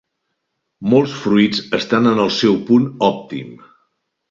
Molts fruits estan en el seu punt òptim.